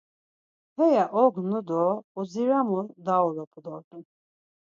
Haya ognu do udziramu daoropu dort̆un.